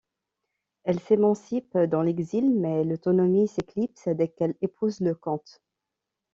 Elle s’émancipe dans l’exil, mais l’autonomie s’éclipse dès qu’elle épouse le comte.